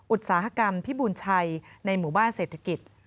อุตสาหกรรมพิบูรณชัยในหมู่บ้านเศรษฐกิจ